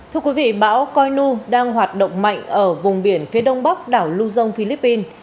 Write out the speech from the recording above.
thưa quý vị bão coi nu đang hoạt động mạnh ở vùng biển phía đông bắc đảo luzon philippines